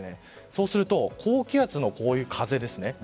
そうすると高気圧の風ですね。